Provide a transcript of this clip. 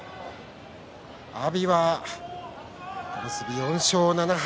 阿炎は小結、４勝７敗。